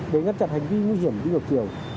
để ngăn chặn hành vi nguy hiểm đi ngược chiều